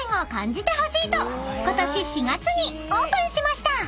［ことし４月にオープンしました］